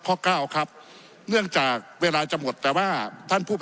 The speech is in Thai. ขอประท้วงครับขอประท้วงครับขอประท้วงครับขอประท้วงครับ